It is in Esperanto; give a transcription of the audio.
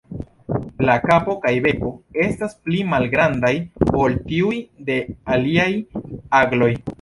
La kapo kaj beko estas pli malgrandaj ol tiuj de aliaj agloj.